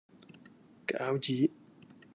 餃子